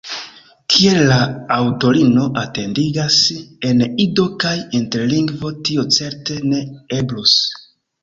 Kiel la aŭtorino atentigas, en Ido kaj Interlingvo tio certe ne eblus.